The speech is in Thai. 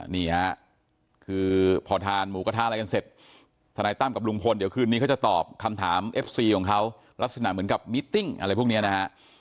นี่ฮะคือพอทานหมูกระทะอะไรกันเสร็จธนายตั้มกับลุงพลเดี๋ยวคืนนี้เขาจะตอบคำถามเอฟซีของเขาลักษณะเหมือนกับมิตติ้งอะไรพวกนี้นะฮะ